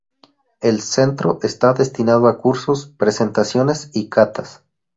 El centro está destinado a cursos, presentaciones y catas.